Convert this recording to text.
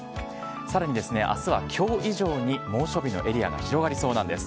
さらにあすは、きょう以上に猛暑日のエリアが広がりそうなんです。